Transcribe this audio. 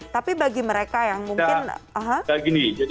tapi bagi mereka yang mungkin